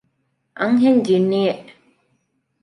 އަންހެން ޖިންނިއެއް